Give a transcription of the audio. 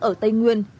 ở tây nguyên